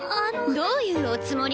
どういうおつもり？